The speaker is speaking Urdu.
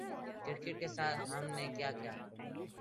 کرکٹ کے ساتھ ہم نے کیا کیا؟